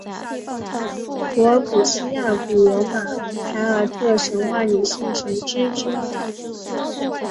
柏尔古希亚古罗马凯尔特神话女性神只之一。